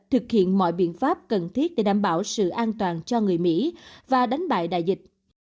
thực hiện mọi biện pháp cần thiết để đảm bảo sự an toàn cho người mỹ và đánh bại đại dịch